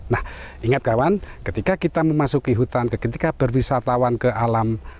nah ingat kawan ketika kita memasuki hutan ketika berwisatawan ke alam